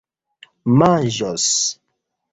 manĝos